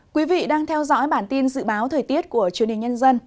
quý vị đang theo dõi bản tin dự báo thời tiết của truyền hình nhân dân